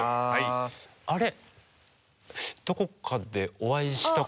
あれ？